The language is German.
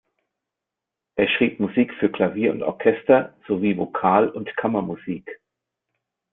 Er schrieb Musik für Klavier und Orchester sowie Vokal- und Kammermusik.